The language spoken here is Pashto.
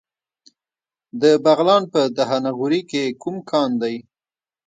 د بغلان په دهنه غوري کې کوم کان دی؟